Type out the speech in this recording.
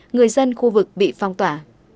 người dân khu vực bị phong tỏa